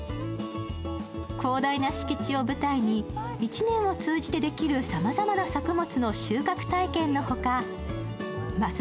広大な敷地を舞台に１年を通じてできるさまざまな作物の収穫体験のほかます